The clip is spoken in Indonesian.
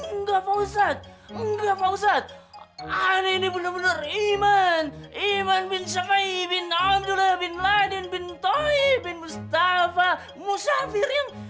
enggak faustad enggak faustad aneh ini bener bener iman iman bin syafai bin omdulillah bin ladin bin tohi bin mustafa musafir yang